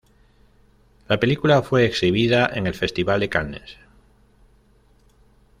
La película fue exhibida en el Festival de Cannes.